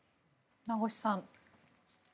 名越さん